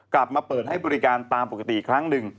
กลับมาเปิดให้บริการตามปกติอีกครั้งหนึ่ง